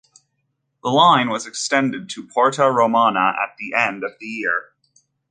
The line was extended to Porta Romana at the end of the year.